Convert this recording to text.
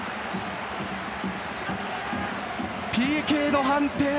ＰＫの判定。